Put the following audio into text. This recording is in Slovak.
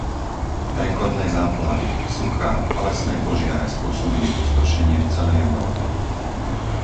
Rekordné záplavy, suchá a lesné požiare spôsobili pustošenie v celej Európe.